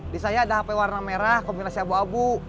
di saya ada hp warna merah kombinasi abu abu